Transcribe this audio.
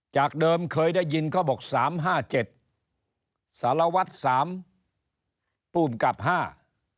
จากเดิมเคยได้ยินเค้าบอก๓๕๗สารวัสทธิ์ภูมิกรรม๕